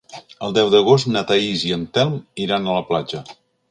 El deu d'agost na Thaís i en Telm iran a la platja.